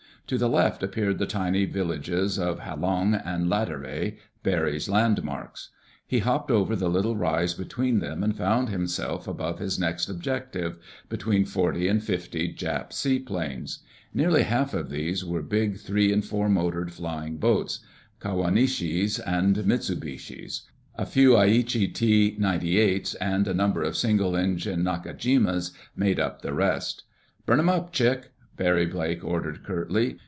To the left appeared the tiny villages of Halong and Lateri, Barry's landmarks. He hopped over the little rise between them and found himself above his next objective—between forty and fifty Jap seaplanes. Nearly half of these were big three and four motored flying boats, Kawanishis and Mitsubishis. A few Aichi T98's and a number of single engined Nakajimas made up the rest. "Burn 'em up, Chick," Barry Blake ordered curtly.